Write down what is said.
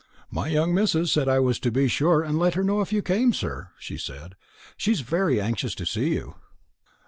"My young missus said I was to be sure and let her know if you came, sir," she said; "she's very anxious to see you."